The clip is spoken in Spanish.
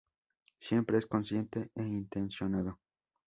Siempre es consciente e intencionado.